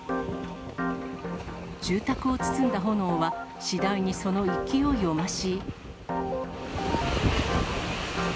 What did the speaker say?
住宅を包んだ炎は、次第にその勢いを増し。